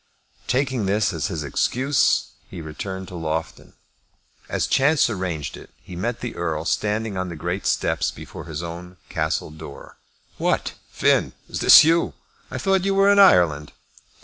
Taking this as his excuse he returned to Loughton. As chance arranged it, he met the Earl standing on the great steps before his own castle doors. "What, Finn; is this you? I thought you were in Ireland."